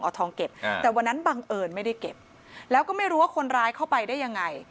เอาทองเก็บแต่วันนั้นบังเอิญไม่ได้เก็บแล้วก็ไม่รู้ว่าคนร้ายเข้าไปได้ยังไง